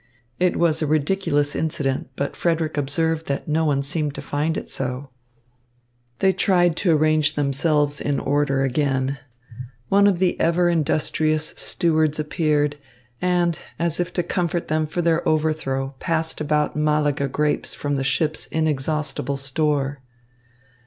It was a ridiculous incident, but Frederick observed that no one seemed to find it so. They tried to arrange themselves in order again. One of the ever industrious stewards appeared, and, as if to comfort them for their overthrow, passed about Malaga grapes from the ship's inexhaustible store.